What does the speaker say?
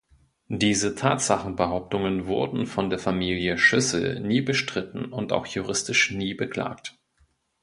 Diese Tatsachenbehauptungen wurden von der Familie Schüssel nie bestritten und auch juristisch nie beklagt.